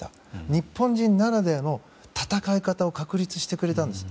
日本人ならではの戦い方を確立してくれたんです。